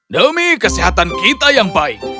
demi kesehatan kita yang baik